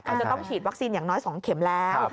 จะต้องฉีดวัคซีนอย่างน้อย๒เข็มแล้ว